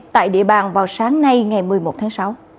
tại địa bàn vào sáng nay ngày một mươi một tháng sáu